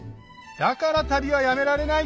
だから旅はやめられない！